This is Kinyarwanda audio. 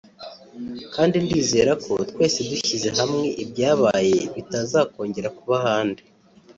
kandi ndizera ko twese dushyize hamwe ibyabaye bitazakongera kuba ahandi